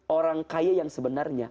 orang kaya yang sebenarnya